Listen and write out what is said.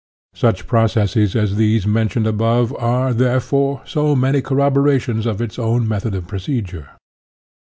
Such processes as those mentioned above are, therefore, so many corroborations of its own method of procedure.